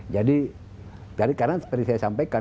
jadi karena seperti saya sampaikan